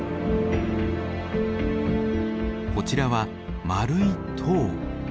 こちらは丸い塔。